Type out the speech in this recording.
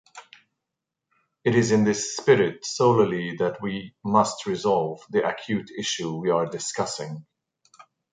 It is in this spirit solely that we must resolve the acute issue we are discussing.